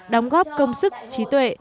đóng góp công sức trí tuệ